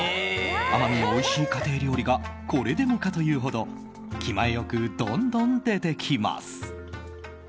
奄美のおいしい家庭料理がこれでもかというほど気前よく、どんどん出てきます。